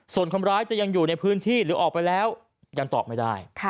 ส่วนคนร้ายจะยังอยู่ในพื้นที่หรือออกไปแล้วยังตอบไม่ได้